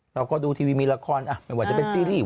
เราก็ดูทีวีมีละครไม่ว่าจะเป็นซีรีส์